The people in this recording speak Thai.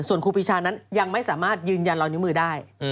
ส่วนครูปีชานั้นยังไม่สามารถยืนยันรอยนิ้วมือได้